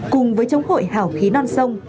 cùng với chống hội hảo khí non sông